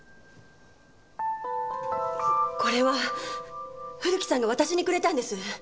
これは古木さんが私にくれたんです。